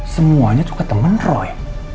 semuanya tuh ketemen roy